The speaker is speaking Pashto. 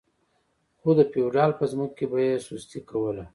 خو د فیوډال په ځمکو کې به یې سستي کوله.